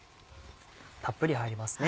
たっぷり入りますね。